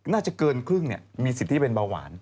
น่าจะเกินครึ่งมีสิทธิ์ที่เป็นเบาหวาน